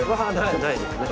ないですね。